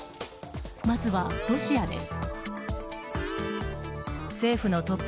まずはロシアです。